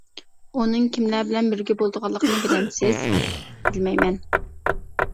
— ئۇنىڭ كىملەر بىلەن بىرگە بولىدىغانلىقىنى بىلەمسىز؟ — بىلمەيمەن.